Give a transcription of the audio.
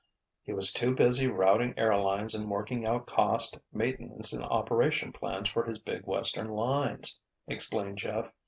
"He was too busy routing air lines and working out cost, maintenance and operation plans for his big Western lines," explained Jeff.